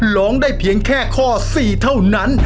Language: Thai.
ร้องได้เพียงแค่ข้อ๔เท่านั้น